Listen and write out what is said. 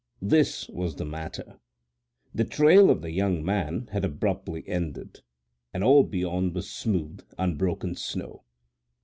This was the matter: the trail of the young man had abruptly ended, and all beyond was smooth, unbroken snow.